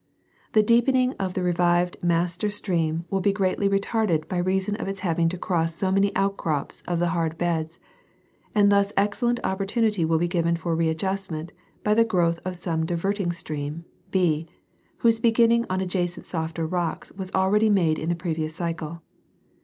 The deepening of the revived master stream will be greatly retarded by reason of its having to cross so many outcrops of the hard beds, and thus excellent opportunity will be given for readjustment by the growth of some diverting stream, B, whose beginning on adjacent softer rocks Avas already made in the previous cycle.